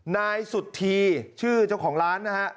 นายสุธีชื่อเจ้าของร้านนะฮะ